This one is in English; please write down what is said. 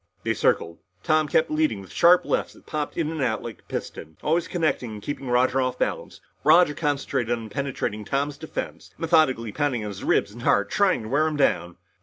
They circled. Tom kept leading with sharp lefts that popped in and out like a piston, always connecting and keeping Roger off balance. Roger concentrated on penetrating Tom's defense, methodically pounding his ribs and heart and trying to wear him down.